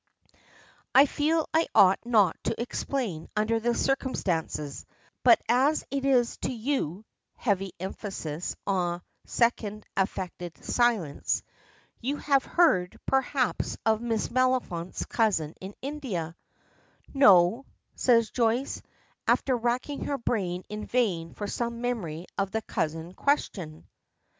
"I feel I ought not to explain under the circumstances, but as it is to you" heavy emphasis, and a second affected silence. "You have heard, perhaps, of Miss Maliphant's cousin in India?" "No," says Joyce, after racking her brain in vain for some memory of the cousin question.